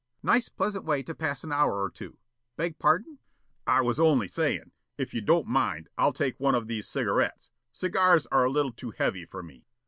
Nice, pleasant way to pass an hour or two beg pardon?" "I was only sayin', if you don't mind I'll take one of these cigarettes. Cigars are a little too heavy for me."